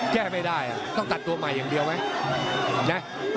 แก้ไม่ได้ต้องตัดตัวใหม่อย่างเดียวไหมนะ